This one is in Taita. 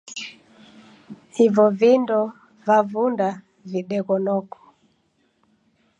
Ivo vindo vavunda videgho noko.